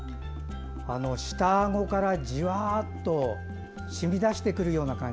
舌あごから、じわっと染み出してくるような感じ。